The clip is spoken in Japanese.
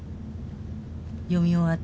読み終わったの。